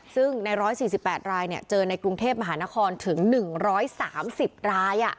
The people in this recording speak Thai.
ซึ่งใน๑๔๘รายเจอในกรุงเทพมหานครถึง๑๓๐ราย